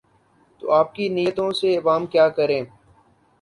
تو آپ کی نیتوں سے عوام کیا کریں؟